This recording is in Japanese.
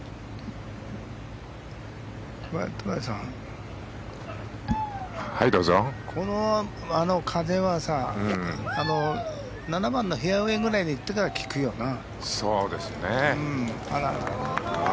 戸張さん、この風は７番のフェアウェーぐらいに行ってから効くよな。